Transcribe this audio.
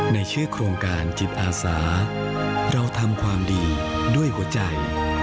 ในชื่อโครงการจิตอาสาเราทำความดีด้วยหัวใจ